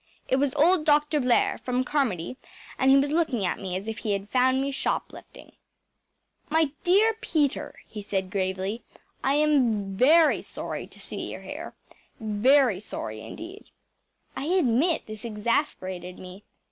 It was old Dr. Blair, from Carmody, and he was looking at me as if he had found me shoplifting. “My dear Peter,‚ÄĚ he said gravely, “I am VERY sorry to see you here very sorry indeed.‚ÄĚ I admit that this exasperated me.